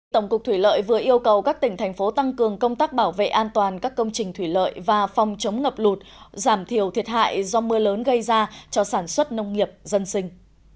tổng cục thủy lợi vừa yêu cầu các tỉnh thành phố tăng cường công tác bảo vệ an toàn các công trình thủy lợi và phòng chống ngập lụt giảm thiểu thiệt hại do mưa lớn gây ra cho sản xuất nông nghiệp dân sinh